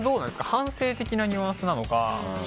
反省的なニュアンスなのか。